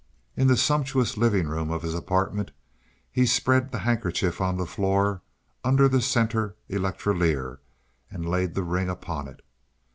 In the sumptuous living room of his apartment he spread the handkerchief on the floor under the center electrolier and laid the ring upon it.